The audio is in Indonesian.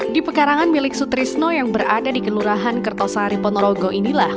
di pekarangan milik sutrisno yang berada di kelurahan kertosari ponorogo inilah